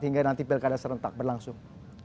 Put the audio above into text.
hingga nanti pilih keadaan serentak berlangsung